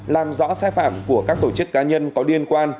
làm rõ sai phạm của các tổ chức cá nhân có liên quan